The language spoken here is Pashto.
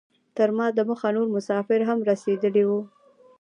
تر ما دمخه نور مسافر هم رسیدلي وو.